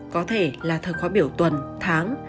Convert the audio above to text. có thể là thời khóa biểu tuần tháng